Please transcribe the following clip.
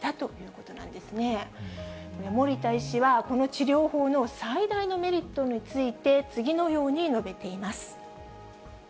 これ、守田医師はこの治療法の最大のメリットについて、次のように述べています。